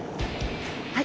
はい。